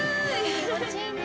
気持ちいいね。